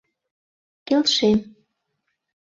— Келшем!